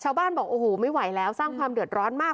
บอกโอ้โหไม่ไหวแล้วสร้างความเดือดร้อนมาก